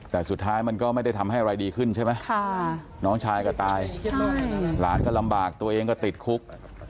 แต่สุดท้ายมันก็ไม่ได้ทำให้อะไรดีขึ้นใช่ไหมน้องชายก็ตายหลานก็ลำบากตัวเองก็ติดคุก